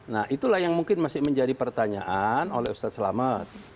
nah itulah yang mungkin masih menjadi pertanyaan oleh ustadz selamat